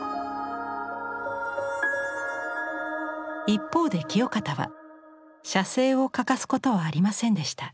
一方で清方は写生を欠かすことはありませんでした。